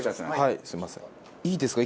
いいですか？